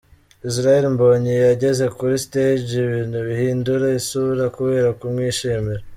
Israel Mbonyi yageze kuri stage ibintu bihindura isura kubera kumwishimira.